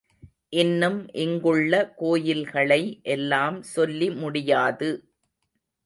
இன்னும் இங்குள்ள கோயில்களை எல்லாம் சொல்லி முடியாது.